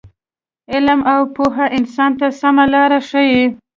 علم او پوهه انسان ته سمه لاره ښیي.